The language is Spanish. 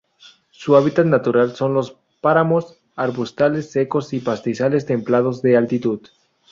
Su hábitat natural son los páramos, arbustales secos y pastizales templados de altitud.